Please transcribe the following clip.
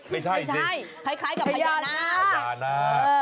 ไม่ใช่จริงคล้ายกับพยานา